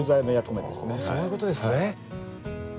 そういう事ですね。